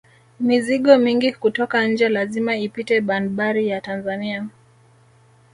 mizigo mingi kutoka nje lazima ipite banbari ya tanzania